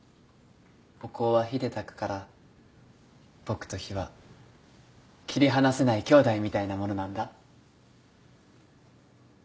お香は火でたくから僕と火は切り離せないきょうだいみたいなものなんだ。